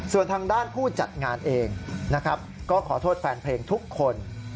ส่วนทางด้านผู้จัดงานเองนะครับก็ขอโทษแฟนเพลงทุกคน